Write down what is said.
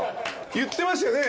言ってましたよね？